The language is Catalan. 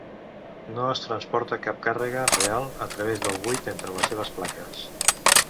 No es transporta cap càrrega real a través del buit entre les seves plaques.